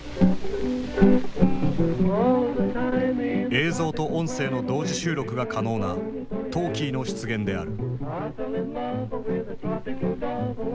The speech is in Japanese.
映像と音声の同時収録が可能なトーキーの出現である。